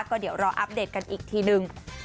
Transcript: ก็เดี๋ยวรออัปเดตกันอีกทีนึง